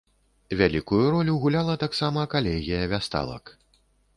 Вялікую ролю гуляла таксама калегія вясталак.